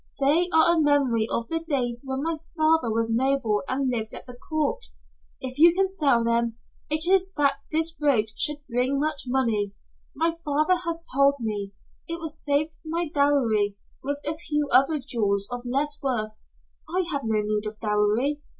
They are a memory of the days when my father was noble and lived at the court. If you can sell them it is that this brooch should bring much money my father has told me. It was saved for my dowry, with a few other jewels of less worth. I have no need of dowry.